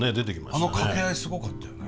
あの掛け合いすごかったよね。